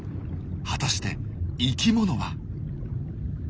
果たして生きものは。